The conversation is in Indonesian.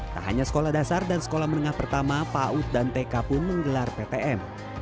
tak hanya sekolah dasar dan sekolah menengah pertama paud dan tk pun menggelar ptm